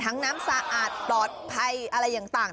ทั้งน้ำสะอาดปลอดภัยอะไรอย่างต่าง